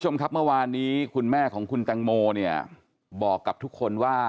คุณผู้ชมครับเมื่อวานนี้คุณแม่ของคุณแตงโมเนี่ยบอกกับทุกคนว่า